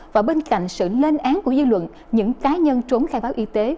và bên cạnh sự lên án của dư luận những cá nhân trốn khai báo y tế